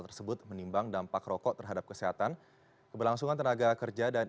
tersebut menimbang dampak rokok terhadap kesehatan keberlangsungan tenaga kerja dan